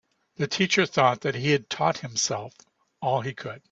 The teacher thought that he'd taught himself all he could.